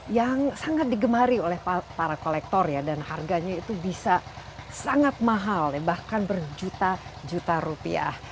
yang sangat digemari oleh para kolektor ya dan harganya itu bisa sangat mahal bahkan berjuta juta rupiah